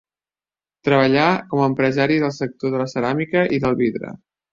Treballà com a empresari del sector de la ceràmica i del vidre.